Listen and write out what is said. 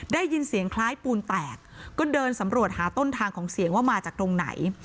ได้ยินเสียงคล้ายปูนแตกก็เดินสำรวจหาต้นทางของเสียงว่ามาจากตรงไหน